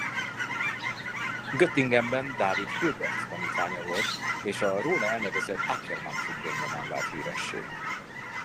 Göttingenben David Hilbert tanítványa volt és a róla elnevezett Ackermann-függvény nyomán vált híressé.